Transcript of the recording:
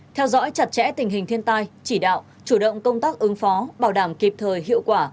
hai theo dõi chặt chẽ tình hình thiên tai chỉ đạo chủ động công tác ứng phó bảo đảm kịp thời hiệu quả